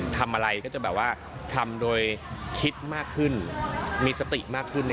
ทำอะไรก็จะแบบว่าทำโดยคิดมากขึ้นมีสติมากขึ้น